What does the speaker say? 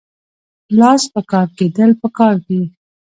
لاس په کار کیدل پکار دي